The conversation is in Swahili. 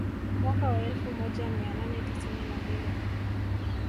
Mwaka wa elfu moja mia nane tisini na mbili